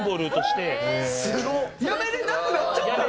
やめられなくなっちゃったんだ。